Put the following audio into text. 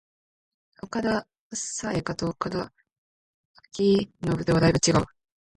岡田紗佳と岡田彰布ではだいぶ違う